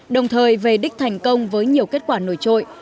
đồng thời về đích thành công với nhiều kết quả nổi trội